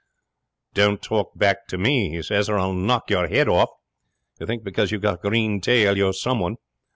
'"Don't talk back at me," he says, "or I'll knock your head off. You think because you've got a green tail you're someone."